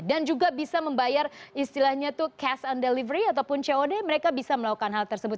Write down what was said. dan juga bisa membayar istilahnya itu cash on delivery ataupun cod mereka bisa melakukan hal tersebut